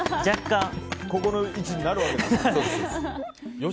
ここの位置になるわけですよ。